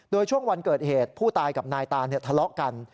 โดยช่วงวันเกิดเหตุผู้ตายกับนายตานทะเลาะกัน